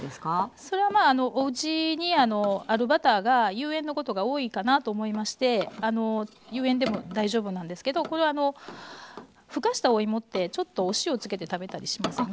それはおうちにあるバターが有塩のことが多いかなと思いまして有塩でも大丈夫なんですけどこういうふかしたおいもってちょっとお塩付けて食べたりしませんか？